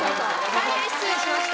大変失礼しました。